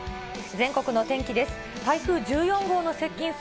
全国の天気です。